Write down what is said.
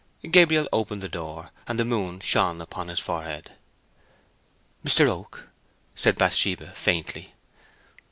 Gabriel opened the door, and the moon shone upon his forehead. "Mr. Oak," said Bathsheba, faintly.